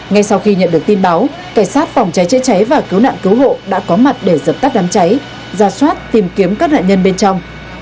ngay sau khi nhận được tin báo cảnh sát phòng cháy chữa cháy và cứu nạn cứu hộ đã có mặt để dập tắt đám cháy ra soát tìm kiếm các nạn nhân bên trong